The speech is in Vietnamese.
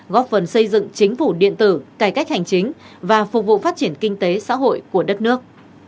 góp phần xây dựng chính phủ điện tử cải cách hành chính và phục vụ phát triển kinh tế xã hội của đất nước